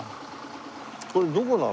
これどこなの？